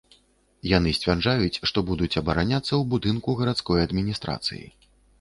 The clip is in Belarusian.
Яны сцвярджаюць, што будуць абараняцца ў будынку гарадской адміністрацыі.